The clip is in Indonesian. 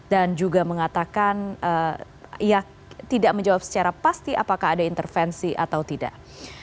dan juga mengatakan ia tidak menjawab secara pasti apakah ada intervensi atau tidak